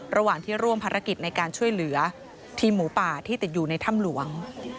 ระหว่างที่ร่วมภารกิจในการช่วยเหลือทีมหมูป่าที่ติดอยู่ในถ้ำหลวง